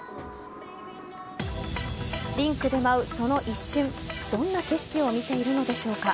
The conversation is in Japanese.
リンクで舞う、その一瞬どんな景色を見ているのでしょうか。